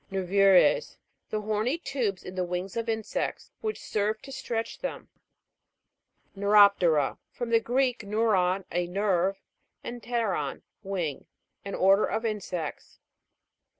NERVU'RES. The horny tubes in the wings of insects, which serve to stretch them. NEUROP'TERA. From the Greek, neuron, a nerve, and pteron, wing. An order of insects.